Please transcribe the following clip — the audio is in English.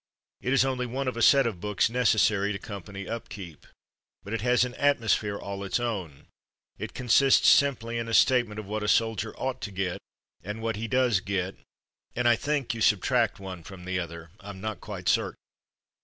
It is only one of a set of books necessary to company upkeep, but it has an atmos phere all its own. It consists simply in a statement of what a soldier ought to get, and what he does get, and I think you sub tract one from the other (Fm not quite certain).